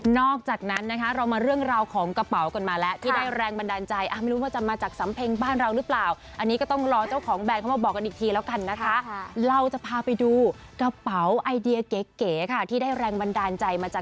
นอกจากนั้นนะคะเรามาเลือกเร้องของกระเป๋าก่อนมาแล้วที่ได้แรงบันดาลใจ